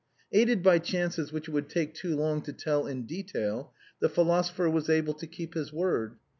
Aided by chances which it would take too long to tell in detail, the philosopher was able to keep his word.